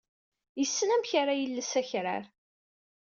Yessen amek ara yelles akrar.